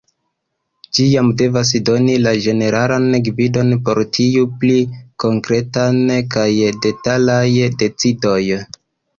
Ĝi jam devas doni la ĝeneralan gvidon por tiuj pli konkretaj kaj detalaj decidoj.